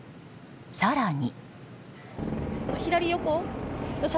更に。